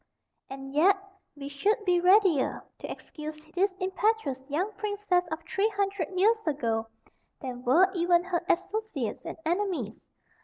And yet we should be readier to excuse this impetuous young princess of three hundred years ago than were even her associates and enemies.